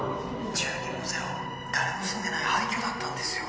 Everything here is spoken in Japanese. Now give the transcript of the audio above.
住人もゼロ誰も住んでない廃虚だったんですよ